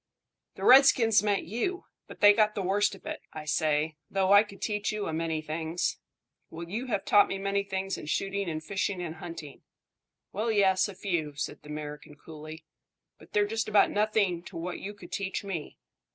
The redskins meant you; but they got the worst of it. I say, though, I could teach you a many things." "Well, you have taught me many things in shooting and fishing and hunting." "Well, yes, a few," said the American coolly; "but they're just about nothing to what you could teach me."